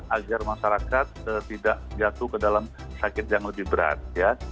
agar masyarakat tidak jatuh ke dalam sakit yang lebih berat ya